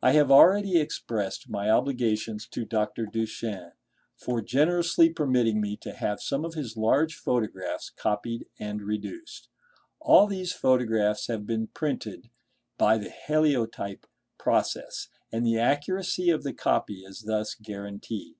I have already expressed my obligations to Dr. Duchenne for generously permitting me to have some of his large photographs copied and reduced. All these photographs have been printed by the Heliotype process, and the accuracy of the copy is thus guaranteed.